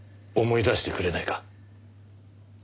思い出してくれないか？